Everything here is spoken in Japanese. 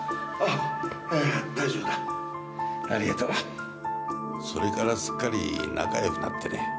いや大丈夫だありがとうそれからすっかり仲よくなってね